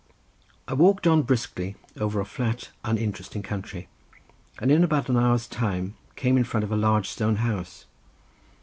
I walked on briskly over a flat uninteresting country, and in about an hour's time came in front of a large stone house.